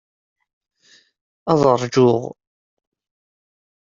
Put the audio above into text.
Ad ṛjuɣ.